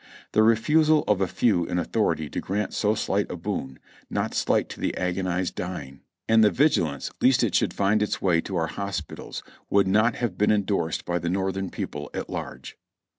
The refusal of a few in authority to grant so slight a boon, not slight to the agonized dying, and the vigilance lest it should find its way to our hospitals would not have been endorsed by the Northern people at large.